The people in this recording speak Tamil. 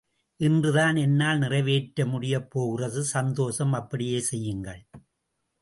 இன்றுதான் என்னால் நிறைவேற்ற முடியப் போகிறது! சந்தோஷம், அப்படியே செய்யுங்கள்.